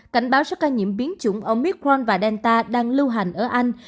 cảnh báo cho ca nhiễm biến chủng omicron và delta đang lưu hành ở anh